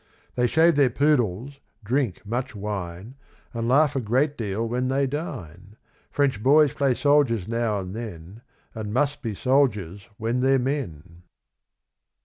They shave their poodles, drink much wine, And laugh a great deal when they dine. French boys play soldiers now and then, And must be soldiers when they're men.